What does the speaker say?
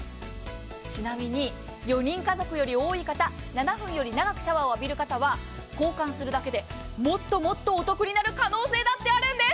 ちなみに、４人家族より多い方、７分より多く浴びる方、交換するだけでもっともっとお得になる可能性だってあるんです。